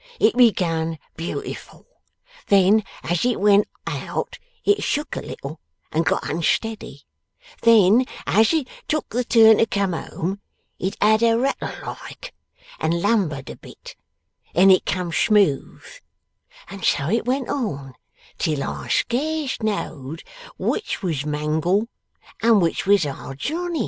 It begun beautiful, then as it went out it shook a little and got unsteady, then as it took the turn to come home it had a rattle like and lumbered a bit, then it come smooth, and so it went on till I scarce know'd which was mangle and which was Our Johnny.